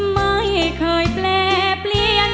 ไม่เคยแปลเปลี่ยน